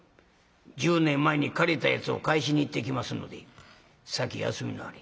１０年前に借りたやつを返しに行ってきますので先休みなはれ」。